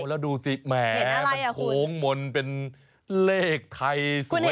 แล้วดูสิแหมมันโค้งมนต์เป็นเลขไทยสวย